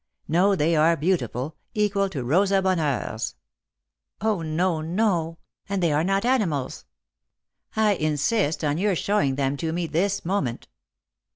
" No, they are beautiful, equal to Rosa Bonheur's." " 0, no, no. And they are not animals." " I insist on your showing them to me this moment."